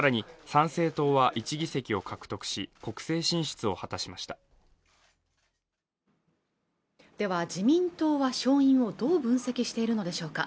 参政党は１議席を獲得し国政進出を果たしましたでは自民党は勝因をどう分析しているのでしょうか